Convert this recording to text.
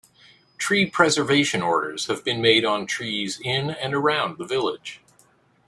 Tree Preservation Orders have been made on trees in and around the village.